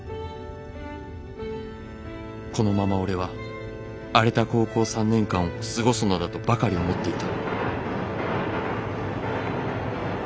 このまま俺は荒れた高校三年間を過ごすのだとばかり思っていた」。